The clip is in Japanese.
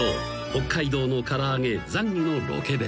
北海道の唐揚げザンギのロケ弁］